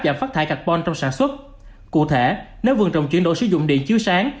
giảm phát thải carbon trong sản xuất cụ thể nếu vườn trồng chuyển đổi sử dụng điện chiếu sáng